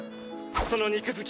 その肉づき